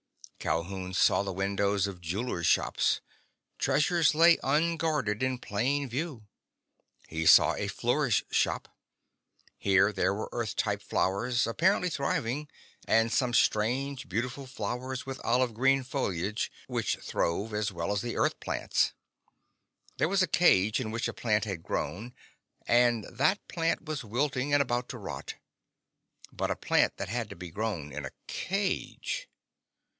Calhoun saw the windows of jewelers' shops. Treasures lay unguarded in plain view. He saw a florist's shop. Here there were Earth type flowers apparently thriving, and some strange beautiful flowers with olive green foliage which throve as well as the Earth plants. There was a cage in which a plant had grown, and that plant was wilting and about to rot. But a plant that had to be grown in a cage....